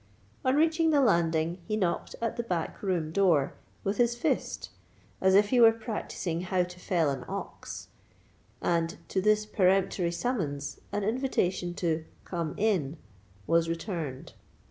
On reaching the landing, he knocked at the back room door with his fist, as if he were practising how to fell an ox; and to this peremptory summons an invitation to "come in" was returned.